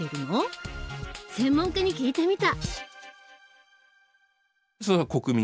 専門家に聞いてみた。